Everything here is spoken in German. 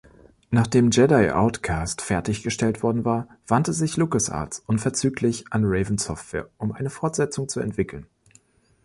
Nachdem „Jedi Outcast“ fertiggestellt worden war, wandte sich LucasArts unverzüglich an Raven Software, um eine Fortsetzung zu entwickeln.